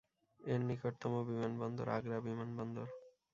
এর নিকটতম বিমানবন্দর আগ্রা বিমানবন্দর।